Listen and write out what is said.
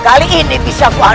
kali ini bisa kuandalkan